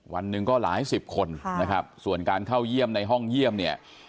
วันหนึ่งก็หลายสิบคนนะครับส่วนการเข้าเยี่ยมในห้องเยี่ยมเนี่ย